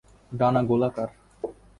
ডানা গোলাকার।